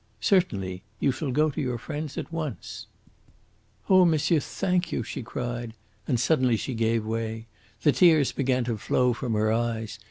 "Certainly; you shall go to your friends at once." "Oh, monsieur, thank you!" she cried, and suddenly she gave way. The tears began to flow from her eyes.